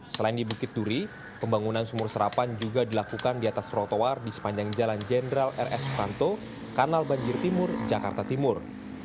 selain di bukit duri pembangunan sumur serapan juga dilakukan di atas trotoar di sepanjang jalan jenderal rs suranto kanal banjir timur jakarta timur